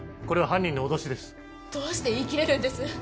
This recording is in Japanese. これは犯人の脅しですどうして言い切れるんです？